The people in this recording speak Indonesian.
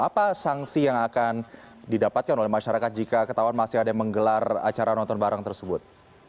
apa sanksi yang akan didapatkan oleh masyarakat jika ketahuan masih ada yang menggelar acara nonton bareng tersebut